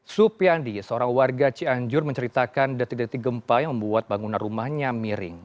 supiandi seorang warga cianjur menceritakan detik detik gempa yang membuat bangunan rumahnya miring